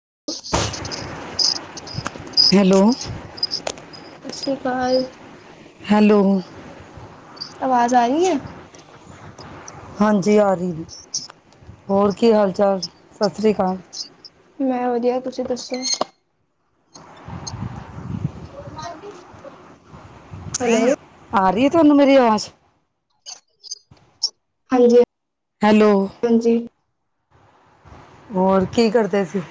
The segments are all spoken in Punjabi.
[inaudible] ਹੈਲੋ। ਸਸ ਰੀ ਕਾਲ। ਹੈਲੋ। ਆਵਾਜ਼ ਆਰੀ ਏ। ਹਾਂਜੀ ਆਰੀ ਜੀ, ਹੋਰ ਕੀ ਹਾਲ ਚਾਲ, ਸਸ ਰੀ ਕਾਲ। ਮੈਂ ਵਦੀਆ ਤੁਸੀਂ ਦੱਸੋ [unintelligible] ਹੈਲੋ ਆਰੀ ਏ ਤਆਨੂੰ ਮੇਰੀ ਅਵਾਜ। ਹਾਂਜੀ। ਹੈਲੋ। ਹਾਂਜੀ। ਹੋਰ ਕੀ ਕਰਦੇ ਸੀ।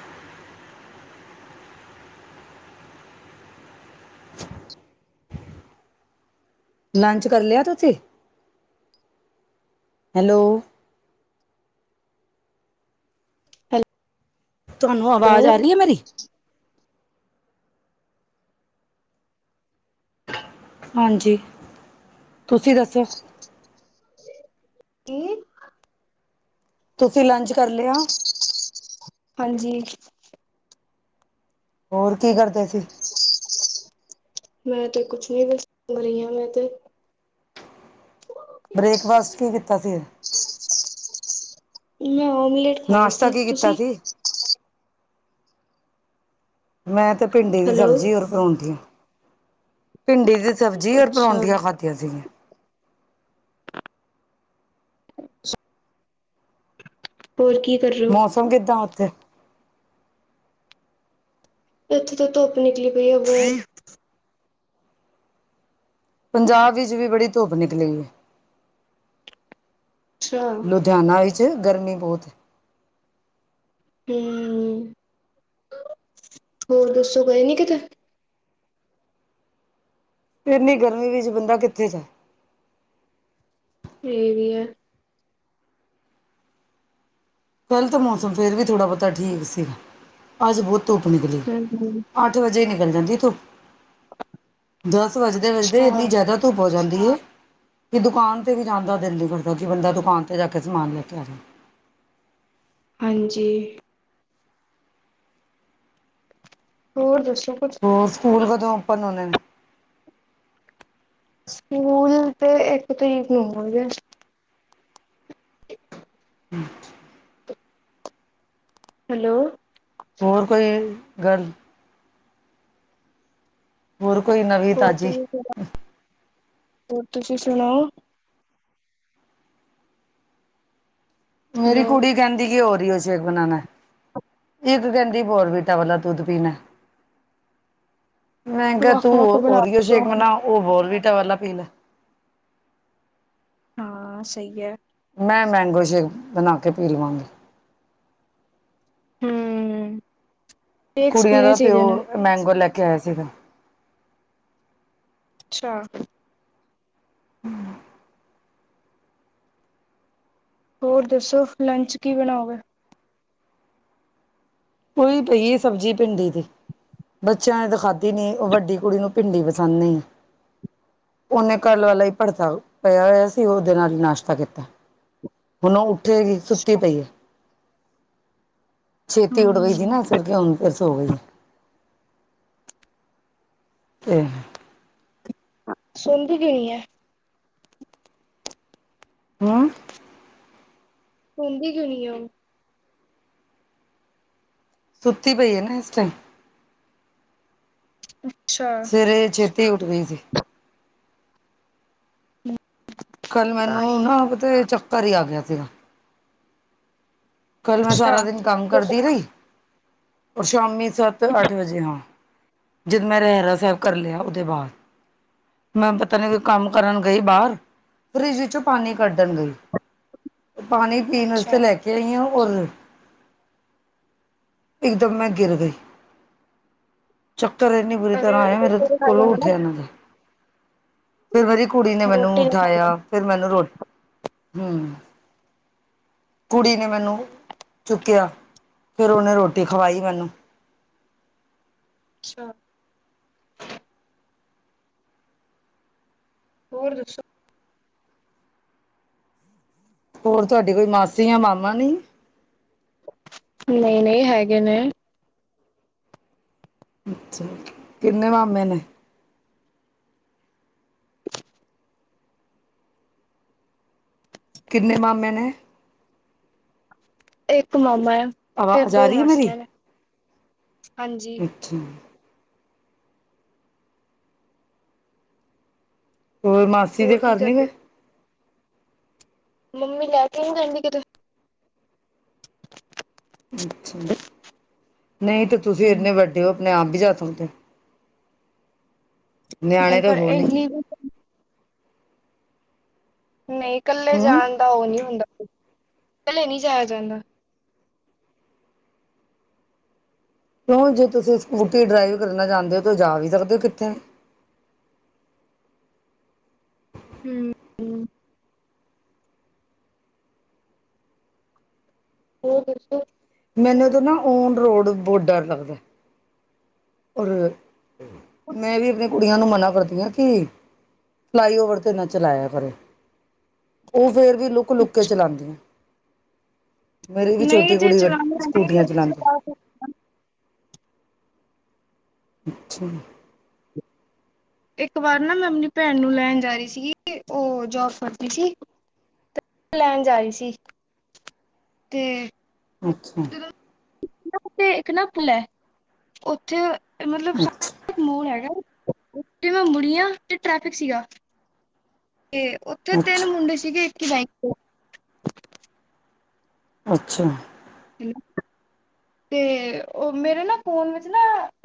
ਲੰਚ ਕਰ ਲੇਆ ਤੁਸੀ, ਹੈਲੋ [inaudible] ਤਆਨੂੰ ਆਵਾਜ ਹੈਲੋ ਆਰੀ ਐ ਮੇਰੀ। ਹਾਂਜੀ, ਤੁਸੀਂ ਦੱਸੋ ਕੀ? ਤੂਸੀ ਲੰਚ ਕਰ ਲੇਆ? ਹਾਂਜੀ। ਹੋਰ, ਕੀ ਕਰਦੇ ਸੀ? ਮੈਂ ਤੇ ਕੁੱਛ ਨੀ ਬਸ, ਘਰ ਈ ਆਂ ਮੈਂ ਤੇ। [inaudible] ਬ੍ਰੇਕਫਾਸਟ ਕੀ ਕੀਤਾ ਸੀ? ਮੈਂ ਓਮਲੇਟ ਖਾਏਆ ਨਾਸ਼ਤਾ ਸੀ, ਕੀ ਕੀਤਾ ਤੂਸੀ? ਸੀ ਮੈਂ ਤੇ ਭਿੰਡੀ ਦੀ ਹੈਲੋ ਸਬਜੀ ਔਰ ਪਰੌਂਠੀਆਂ, ਭਿੰਡੀ ਦੀ ਸਬਜੀ ਔਰ ਅੱਛਾ ਪਰੌਂਠੀਆਂ ਖਾਦ ਦੀਆ ਸੀਗੀਆ। ਹੋੁਰ ਕੀ? ਕਰ ਰਹੇ ਹੋ ਮੌਸਮ ਕਿੱਦਾਂ ਓਥੇ? ਏਥੇ ਤੇ ਧੁੱਪ ਨਿਕਲੀ ਪਈ ਏ, ਬੋ ਪੰਜਾਬ ਵਿੱਚ ਵੀ ਬੜੀ ਧੁੱਪ ਨਿਕਲੀ ਏ। [unintelligible] ਧਿਆਨਾ ਵਿੱਚ, ਗਰਮੀ ਬੋਤ ਏ। ਹੂੰ, ਹੋਰ ਦੱਸੋ ਗਏ ਨੀ ਕਿਤੇ? ਏੱਨੀ ਗਰਮੀ ਵਿੱਚ ਬੰਦਾ, ਕਿੱਥੇ ਜਾਏ। ਏ ਵੀ ਐ। ਕੱਲ ਤਾਂ ਮੌਸਮ ਫੇਰ ਵੀ ਥੋੜਾ-ਬੋਤਾ ਠੀਕ ਸੀਗਾ, ਅੱਜ ਬੋਤ ਧੂੱਪ ਨਿਕਲੀ। ਹਮ ਆੱਠ ਵਜੇ ਈ ਨਿਕਲ ਜਾਂਦੀ ਏ ਧੂੱਪ, ਦਾੱਸ ਵੱਜਦੇ-ਵੱਜਦੇ, ਅੱਛਾ ਇੰਨੀ ਜਾਦਾ ਧੂਪ ਹੋ ਜਾਂਦੀਏ ਕਿ ਦੁਕਾਨ ਤੇ ਵੀ ਜਾਨ ਦਾ ਦਿਲ ਨੀ ਕਰਦਾ, ਕਿ ਬੰਦਾ ਦੁਕਾਨ ਤੇ ਜਾ ਕੇ ਸਮਾਨ ਲੈ ਕੇ ਆ ਜਾਏ। ਹਾਂਜੀ। ਹੋਰ, ਦੱਸੋ ਕੁੱਛ? ਹੋਰ, ਸੂਕੂਲ ਕਦੋਂ ਓਪਨ ਹੋਨੇ ਨੇ? ਸੂਕੂਲ ਤੇ, ਏੱਕ ਤਰੀਕ ਨੂੰ ਹੋਨਗੇ। [unintelligible] ਹੈਲੋ? ਹੋਰ, ਕੋਈ ਗੱਲ? ਹੋਰ, ਕੋਈ ਨਵੀ? ਹੋਰ [unintelligible] ਹੋਰ, ਤੂਸੀ ਸੁਣਾਓ? ਮੇਰੀ ਹੈਲੋ ਕੁੜੀ ਕੈਂਦੀ, ਕਿ ਓਰੀਓ ਸ਼ੇਕ ਬਨਾਨੈ, ਇੱਕ ਕੈਂਦੀ ਬੋਰਵੀਟਾ ਵਾਲਾ ਦੁੱਧ ਪੀਨੈ। [inaudible] ਮੈ ਕੈਆ ਤੂ ਵੱਖ ਵੱਖ ਬਣਾ ਓਰੀਓ ਦੋ। ਸ਼ੇਕ ਬਨਾ, ਓ ਬੋਰਵੀਟਾ ਵਾਲਾ ਪੀ ਲੈ। ਹਾਂ, ਸਈ ਐ। ਮੈਂ ਮੈਂਗੋ ਸ਼ੇਕ, ਬਨਾ ਕੇ ਪੀ ਲਵਾਂਗੀ। ਹੂੰ। ਕੁੜੀਆਂ ਦਾ ਪੇਓ, ਮੈਂਗੋ ਲੈ ਕੇ ਆਏਆ ਸੀਗਾ। ਅੱਛਾ। ਹੋਰ ਦੱਸੋ, ਲੰਚ ਕੀ ਬਣਾਓਗੇ? ਓਹੀ ਪਈਏ ਸਬਜ਼ੀ, ਭਿੰਡੀ ਦੀ। ਬੱਚਿਆਂ ਨੇ ਤਾ ਖਾਧੀ ਨੀ, ਉਹ ਵੱਡੀ ਕੁੜੀ ਨੂੰ ਭਿੰਡੀ ਪਸੰਦ ਨਹੀਂ। ਉਹਨੇ ਕਲ ਵਾਲਾ ਹੀ ਭੜਤਾ ਪਿਆ ਹੋਇਆ ਸੀ, ਉਹਦੇ ਨਾਲ ਹੀ ਨਾਸ਼ਤਾ ਕੀਤਾ। ਹੁਨ ਓ ਉੱਠੇਗੀ ਸੁੱਤੀ ਪਈ ਐ। ਛੇਤੀ ਉਠ ਗਈ ਸੀ ਹਮ ਨਾ ਸਵੇਰੇ ਹੁਨ ਫੇਰ ਸੋ ਗੀ ਏ ਤੇ [unintelligible] ਸੋਂਦੀ ਕਿਉਂ ਨੀ ਐ। ਹਾਂ? ਸੋਂਦੀ ਕਿਉਂ ਨੀ ਐ ਓ? ਸੁੱਤੀ ਪਈ ਐ ਨਾ ਇਸ ਟਾਈਮ। ਅੱਛਾ। ਸਵੇਰੇ ਛੇਤੀ ਉੱਠ ਗਈ ਸੀ। [inaudible] ਕੱਲ੍ਹ ਤਾਂ ਹੀ ਮੈਨੂੰ ਨਾ ਪਤਾ ਚੱਕਰ ਈ ਆ ਗਿਆ ਸੀਗਾ। ਕੱਲ ਮੈਂ ਅੱਛਾ ਸਾਰਾ ਦਿਨ ਕੰਮ ਕਰਦੀ ਰਈ ਔਰ ਸ਼ਾਮੀ ਸੱਤ ਅੱਠ ਵਜੇ ਹਾਂ। ਜਦ ਮੈਂ ਰਹਿਰਾ ਸਾਬ ਕਰ ਲਿਆ ਓਦੇ ਬਾਅਦ। ਮੈ ਪਤਾ ਨੀ ਕੋਈ ਕੰਮ ਕਰਨ ਗਈ ਬਾਰ ਫਰਿਜ ਵਿੱਚੋਂ ਪਾਣੀ ਕੱਢਣ ਗਈ ਪਾਨੀ ਪੀਨ ਅੱਛਾ ਵਾਸਤੇ ਲੈ ਕੇ ਆਈ ਆ ਔਰ ਇੱਕ ਦਮ ਮੈਂ ਗਿਰ ਗਈ ਚੱਕਰ ਇੰਨੇ ਬੁਰੀ ਅਰੇ ਤਰ੍ਹਾਂ ਆਏ ਮੇਰੇ ਕੋਲੋਂ ਉੱਠਿਆ ਨਾ ਜਾਏ। ਫੇਰ ਮੇਰੀ ਕੁੜੀ ਨੇ ਮੈਨੂੰ ਰੋਟੀ ਨੀ ਖਾਣੀ। ਉਠਾਇਆ ਫੇਰ ਮੈਨੂੰ ਰੋ ਹੂੰ। ਕੁੜੀ ਨੇ ਮੈਨੂੰ ਚੁੱਕਿਆ ਫੇਰ ਉਹਨੇ ਰੋਟੀ ਖਵਾਈ ਮੈਨੂੰ। ਅੱਛਾ। ਹੋਰ ਦੱਸੋ? ਹੋਰ ਤੁਹਾਡੀ ਕੋਈ ਮਾਸੀ ਜਾ ਮਾਮਾ ਨੀ? ਨਈ ਨਈ ਹੈਗੇ ਨੇ। ਅੱਛਾ ਕਿੰਨੇ ਮਾਮੇ ਨੇ? ਕਿੰਨੇ ਮਾਮੇ ਨੇ? ਇੱਕ ਮਾਮਾ ਤੇ ਆਵਾਜ਼ ਆ ਦੋ ਰਹੀ ਹੈ ਮੇਰੀ ਮਾਸੀਆਂ ਨੇ ਹਾਂਜੀ। ਅੱਛਾ। ਹੋਰ ਮਾਸੀ ਦੇ ਹੋਰ ਕੀ ਘਰ ਨੀ ਕਰਦੇ ਗਏ? ਮੰਮੀ ਲੈ ਕੇ ਨੀ ਜਾਂਦੀ ਕਿਤੇ। ਅੱਛਾ। ਨਈ ਤੇ ਤੁਸੀਂ ਐਨੇ ਹਾਂਜੀ ਵੱਡੇ ਓ ਆਪਣੇ ਆਪ ਵੀ ਜਾ ਸਕਦੇ ਓ। ਨਹੀਂ ਨਿਆਣੇ ਤਾਂ ਪਰ ਹੋ ਨੀ। ਇੰਨੀ ਨਈ, ਕੱਲੇ ਹਮ ਜਾਣ ਦਾ ਓ ਨੀ ਹੁੰਦਾ ਕੱਲੇ ਨੀ ਜਾਇਆ ਜਾਂਦਾ। ਕਿਉਂ ਜੇ ਤੁਸੀਂ ਸਕੂਟੀ ਡਰਾਈਵ ਕਰਨਾ ਚਾਂਦੇ ਓ ਤਾਂ ਜਾ ਵੀ ਸਕਦੇ ਓ ਕਿੱਥੇ। ਹੂੰ। ਹੂੰ। ਹੋਰ ਦੱਸੋ? ਮੈਨੂੰ ਤਾਂ ਨਾ ਓਨ ਰੋਡ ਬੋ ਡਰ ਲੱਗਦਾ। ਔਰ ਮੈਂ ਵੀ ਆਪਣੀ ਕੁੜੀਆਂ ਨੂੰ ਮਨਾ ਕਰਦੀ ਆ ਕਿ ਫਲਾਈਓਵਰ ਤੇ ਨਾ ਚਲਾਇਆ ਕਰੋ ਓ ਫੇਰ ਵੀ ਲੁੱਕ ਲੁੱਕ ਕੇ ਚਲਾਂਦੀਆਂ। ਮੇਰੀ ਵੀ ਨਹੀਂ ਛੋਟੀ ਜੇ ਕੁੜੀ ਚਲਾਉਣੀ ਸਕੂਟੀਆਂ ਚਲਾਂਦੀ ਆਉਂਦੀ ਅੱਛਾ। ਇੱਕ ਵਾਰ ਨਾ ਮੈਂ ਆਪਣੀ ਭੈਣ ਨੂੰ ਲੈਣ ਜਾ ਰੀ ਸੀਗੀ ਓ ਜੋਬ ਕਰਦੀ ਸੀ। ਤੇ ਮੈਂ ਲੈਣ ਜਾ ਰੀ ਸੀ। ਤੇ ਅੱਛਾ। ਓਥੇ ਇੱਕ ਨਾ ਪੁਲ ਐ, ਓਥੇ ਮਤਲਬ ਸਾ ਮੋੜ ਹੈਗਾ ਏ [unintelligible] ਤੇ ਟ੍ਰੈਫਿਕ ਸੀਗਾ। ਤੇ ਓਥੇ ਅੱਛਾ ਤਿੰਨ ਮੁੰਡੇ ਸੀਗੇ ਇਕ ‌ਈ ਬੈਂਕ ਦੇ। ਅੱਛਾ। [inaudible] ਤੇ ਓ ਮੇਰੇ ਨਾ ਫੋਨ ਵਿੱਚ ਨਾ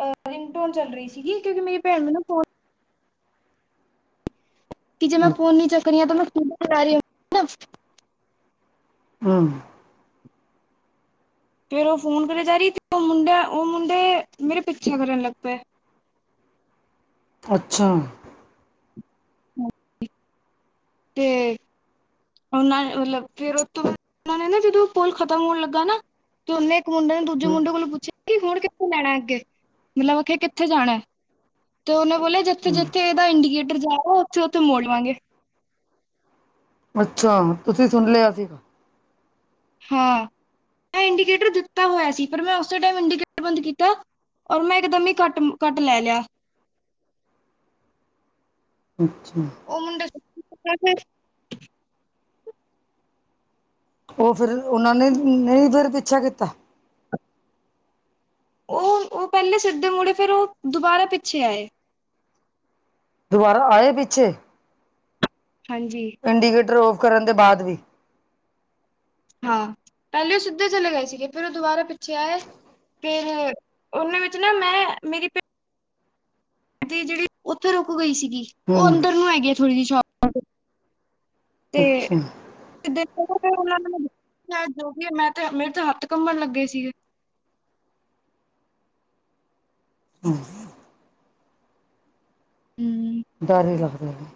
ਅਹ ਰਿੰਗ ਟੋਨ ਚੱਲ ਰਹੀ ਸੀਗੀ ਕਿਉਂਕਿ ਮੇਰੀ ਭੈਣ ਨੂੰ ਨਾ ਫੋਨ ਕਿ ਜੇ ਮੈਂ ਫੋਨ ਨੀ ਚੱਕ ਰਹੀ ਆ ਨਾ ਤਾਂ ਮੈਂ ਸਕੂਟਰ ਕਰ ਰਹੀ [unintelligible] ਨਾ। ਹਾਂ। ਫੇਰ ਓ ਫੋਨ ਕਰੇ ਜਾਰੀ ਓ ਮੁੰਡੇ, ਓ ਮੁੰਡੇ ਮੇਰੇ ਪਿੱਛੇ ਕਰਨ ਲੱਗ ਪਏ। ਅੱਛਾ। [inaudible] ਤੇ ਓਨਾ ਨੇ ਮਤਲਬ ਫੇਰ ਓ ਤੋਂ ਬਾਅਦ ਓਨਾ ਨੇ ਨਾ ਜਦੋਂ ਪੁਲ ਖ਼ਤਮ ਹੋਣ ਲੱਗਾ ਨਾ ਤੇ ਓਨੇ ਇੱਕ ਮੁੰਡੇ ਨੂੰ ਦੂਜੇ ਮੁੰਡੇ ਕੋਲੋ ਪੁੱਛਿਆ ਕਿ [unintelligible] ਕਿੱਥੋ ਲੈਣਾ ਅੱਗੇ ਮਤਲਬ ਅਖੇ ਕਿੱਥੇ ਜਾਣੈ ਤੇ ਉਹਨੇ ਬੋਲਿਆ ਜਦ ਹਮ ਜਿੱਥੇ-ਜਿੱਥੇ ਏਦਾ ਇੰਡੀਕੇਟਰ ਜਾਓ ਓਥੇ-ਓਥੇ ਮੋੜ ਲਵਾਂਗੇ। ਅੱਛਾ, ਤੁਸੀਂ ਸੁਣ ਲਿਆ ਸੀ? ਹਾਂ, ਮੈਂ ਇੰਡੀਕੇਟਰ ਦਿੱਤਾ ਹੋਇਆ ਸੀ ਪਰ ਮੈਂ ਓਸੇ ਟੈਮ ਇੰਡੀਕੇਟਰ ਬੰਦ ਕੀਤਾ। ਔਰ ਮੈਂ ਇਕਦਮ ਹੀ ਕੱਟ ਕੱਟ ਲੈ ਲਿਆ। ਅੱਛਾ। ਓ ਮੁੰਡਾ [unintelligible] ਓ ਫਿਰ ਓਨਾਂ ਨੇ ਨ‌ਈ ਫੇਰ ਪਿੱਛਾ ਕੀਤਾ? ਓ ਓ ਪਹਿਲੇ ਸਿੱਧੇ ਮੁੜੇ ਫੇਰ ਓ ਦੁਬਾਰਾ ਪਿੱਛੇ ਆਏ। ਦੁਬਾਰਾ ਆਏ ਪਿੱਛੇ? ਹਾਂਜੀ। ਇੰਡੀਕੇਟਰ ਔਫ ਕਰਨ ਦੇ ਬਾਦ ਵੀ? ਹਾਂ, ਪਹਿਲੇ ਓ ਸਿੱਧੇ ਚਲੇ ਗਏ ਸੀਗੇ ਫੇਰ ਓ ਦੁਬਾਰਾ ਪਿੱਛੇ ਆਏ। ਫੇਰ ਓਨਾਂ ਵਿੱਚ ਨਾ ਮੈਂ ਮੇਰੀ ਭ ਤੇ ਜਿਹੜੀ ਓਥੇ ਰੁਕ ਗਈ ਸੀਗੀ ਓ ਹੂੰ ਅੰਦਰ ਨੂੰ ਹੈਗੀ ਆ ਥੋੜੀ ਜੀ ਸ਼ੋਪ। ਤੇ ਅੱਛਾ ਦੇਖੋ ਫੇਰ ਓਨਾ ਨੇ ਜੋ ਕਿਆ ਮੈਂ ਮੇਰੇ ਤਾ ਹੱਥ ਕੰਮਣ ਲੱਗੇ ਸੀਗੇ। ਹੂੰ। ਹੂੰ। ਡਰ ਵੀ ਲੱਗਦਾ ਏ ਜੀ।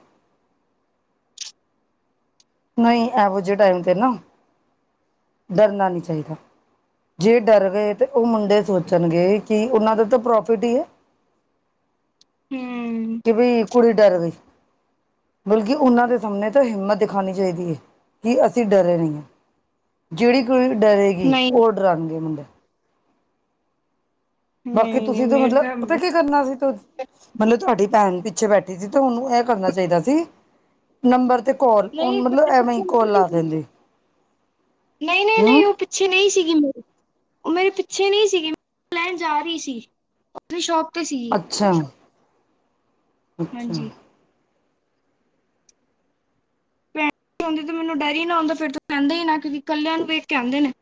ਨ‌ਈ ਐਹੋ ਜੇ ਟਾਈਮ ਤੇ ਨਾ ਡਰਨਾ ਨੀ ਚਾਹੀਦਾ। ਜੇ ਡਰ ਗਏ ਤੇ ਓ ਮੁੰਡੇ ਸੋਚਣਗੇ ਕਿ ਓਨਾ ਦਾ ਤਾਂ ਪ੍ਰੋਫਿਟ ਈ ਐ। ਹੂੰ। ਕਿ ਬਈ ਕੁੜੀ ਡਰ ਗ‌ਈ। ਬਲਕਿ ਓਨਾਂਮ ਦੇ ਸਾਹਮਣੇ ਤਾਂ ਹਿੰਮਤ ਦਿਖਾਨੀ ਚਾਹੀਦੀ ਐ ਕਿ ਅਸੀਂ ਡਰੇ ਨ‌ਈ ਆ। ਜਿਹੜੀ ਕੁੜੀ ਡਰੇਗੀ ਨਹੀਂ ਹੋਰ ਡਰਾਣਗੇ ਮੁੰਡੇ। ਬਾਕੀ ਨਹੀਂ ਨਹੀਂ ਤੁਸੀਂ ਤੇ ਮੇਰੇ ਮਤਲਬ ਤਾਂ ਪਤਾ ਕੀ ਕਰਨਾ ਸੀ ਤਮਤਲਬ ਤੁਹਾਡੀ ਭੈਣ ਪਿੱਛੇ ਬੈਠੀ ਸੀ ਤੇ ਓਨੂੰ ਐਹ ਕਰਨਾ ਚਾਹੀਦਾ ਸੀ ਨੰਬਰ ਤੇ ਕੌਲ ਓ ਨਹੀਂ ਮਤਲਬ ਪਤਾ ਐਵੇਂ ‌ਈ ਕੌਲ ਲਾ ਨੀ- ਦੇਂਦੀ। ਨਹੀਂ- ਨਹੀਂ, ਨਹੀਂ ਉਹ ਪਿੱਛੇ ਨਹੀਂ ਸੀਗੀ ਮੇਰੇ। ਉਹ ਮੇਰੇ ਪਿੱਛੇ ਨਹੀਂ ਸੀਗੀ, ਲੈਣ ਜਾ ਰਹੀ ਸੀ ਉ ਅਪਣੀ ਸ਼ੋਪ ਤੇ ਸੀ। ਅੱਛਾ। ਅੱਛਾ। ਹਾਂਜੀ ਓ ਹੋਂਦੀ ਤੇ ਮੈਨੂੰ ਡਰ ਹੀ ਨਾ ਹੂੰਦਾ ਫੇਰ ਤ ਕਹਿੰਦੇ ਹੀ ਨਾ ਕਿਉਕਿ ਕੱਲਿਆਂ ਨੂੰ ਵੇਖ ਕੇ ਆਂਦੇ ਨੇ।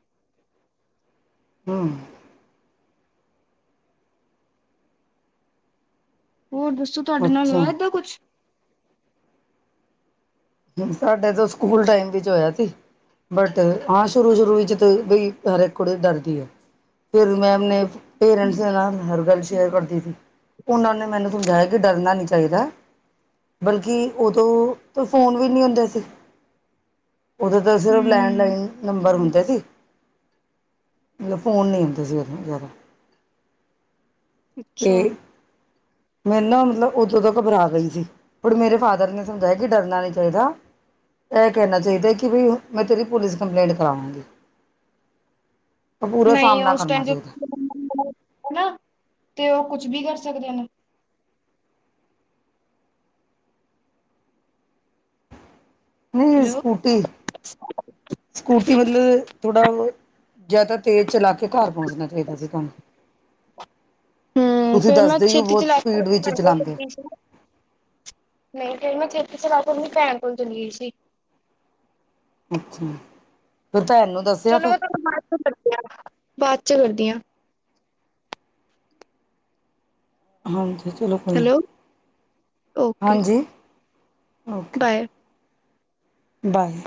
ਹਾਂ। ਹੋਰ ਦੱਸੋ ਤੁਹਾਡੇ ਨਾਲ ਅੱਛਾ ਹੋਇਆ ਏਦਾਂ ਕੁਛ? ਸਾਡੇ ਤੋਂ ਸਕੂਲ ਟਾਈਮ ਵਿੱਚ ਹੋਇਆ ਸੀ। ਬਟ ਹਾਂ ਸ਼ੁਰੂ- ਸ਼ੁਰੂ ਵਿੱਚ ਤੇ ਬਈ ਹਰੈਕ ਕੁੜੀ ਡਰ ਦੀ ਐ। ਫੇਰ ਮੈਮ ਨੇ ਪੇਰੈਂਟਸ ਦੇ ਨਾਲ ਹਰ ਗੱਲ ਸ਼ੇਅਰ ਕਰਦੀ ਸੀ। ਉਹਨਾਂ ਨੇ ਮੈਨੂੰ ਸਮਝਾਇਆ ਕਿ ਡਰਨਾ ਨਹੀਂ ਚਾਹੀਦਾ, ਬਲਕਿ ਉਦੋਂ- ਫੋਨ ਵੀ ਨਹੀਂ ਹੁੰਦੇ ਸੀ, ਉਹਦੋਂ ਤਾਂ ਸਿਰਫ ਲੈਣ- ਹੂੰ ਲਾਈਨ ਨੰਬਰ ਹੁੰਦਾ ਸੀ ਮਤਲਬ ਫੋਨ ਨਹੀਂ ਹੁੰਂਦਾ ਸੀ ਉਦੋਂ ਜ਼ਿਆਦਾ। ਅੱਛਾ ਤੇ ਮੈਨ ਨਾ ਮਤਲਬ ਉਦੋਂ ਤੋਂ ਘਬਰਾ ਗਈ ਸੀ ਬਟ ਮੇਰੇ ਫਾਦਰ ਨੇ ਸਮਝਾਇਆ ਕਿ ਡਰਨਾ ਨਹੀਂ ਚਾਹੀਦਾ। ਇਹ ਕਹਿਣਾ ਚਾਹੀਦਾ ਕਿ ਵੀ ਕੀ ਮੈਂ ਤੇਰੀ ਪੁਲਿਸ ਕੰਪਲੇਂਟ ਕਰਾਵਾਂਗੀ। ਤਾਂ ਪੂਰਾ ਨਹੀਂ ਸਾਹਮਣਾ ਉਸ ਕਰਨਾ ਟਾਈਮ ਤੇ ਚਾਹੀਦਾ [unintelligible] ਹਨਾ ਤੇ ਉਹ ਕੁਛ ਵੀ ਕਰ ਸਕਦੇ ਨੇ। ਨਹੀਂ ਏ ਹੈਲੋ ਸਕੂਟੀ, ਸਕੂਟੀ ਮਤਲਬ ਥੋੜਾ ਜਾਂ ਤਾਂ ਤੇਜ਼ ਚਲਾ ਕੇ ਘਰ ਪਹੁੰਚਣਾ ਚਾਹੀਦਾ ਫੇਰ ਤਹਾਨੂੰ। ਹੂੰ ਫੇਰ ਮੈਂ ਦੱਸਦੇ ਹੀ ਹੋ ਸ਼ਛੇਤੀ ਬਹੁਤ ਚਲਾ ਸਪੀਡ ਵਿੱਚ ਚਲਾਉਂਦੇ [unintelligible] ਨਹੀਂ ਫੇਰ ਮੈਂ ਛੇਤੀ ਚਲਾ ਕੇ ਅਪਣੀ ਭੈਣ ਕੋਲ ਚਲੀ ਗਈ ਸੀ। ਅੱਛਾ ਫੇਰ ਪੈਨੂੰ ਦੱਸ- ਚਲੋ ਮੈਂ ਤੁਹਾਨੂੰ ਬਾਅਦ ਚ ਕਰਦੀ ਆ ਬਾਅਦ ਚ ਕਰਦੀ ਹਾਂ। ਹਾਂਜੀ ਚਲੋ ਕੋਈ ਨੀ, ਓਕੇ ਹਾਂਜੀ ਓਕੇ। Bye bye.